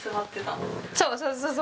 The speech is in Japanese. そうそうそうそう。